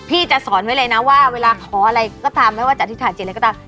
จะสอนไว้เลยนะว่าเวลาขออะไรก็ตามไม่ว่าจะอธิษฐานจิตอะไรก็ตาม